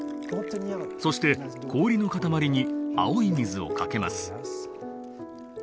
そして氷の塊に青い水をかけます。